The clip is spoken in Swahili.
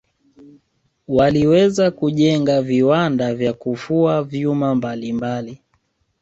waliweza kujenga viwanda vya kufua vyuma mbalimbali